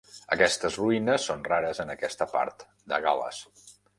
Aquestes ruïnes són rares en aquesta part de Gal·les.